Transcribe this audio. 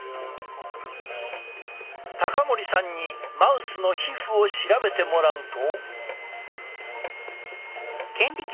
森さんにマウスの皮膚を調べてもらうと。